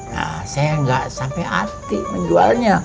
nah saya gak sampai hati menjualnya